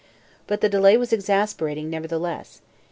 But the delay was exasperating, nevertheless.